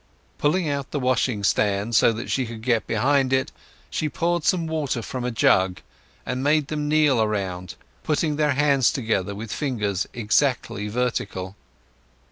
Pulling out the washing stand so that she could get behind it, she poured some water from a jug, and made them kneel around, putting their hands together with fingers exactly vertical.